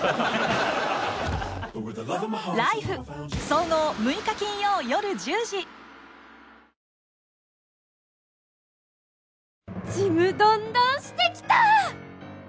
総合６日金曜夜１０時ちむどんどんしてきた！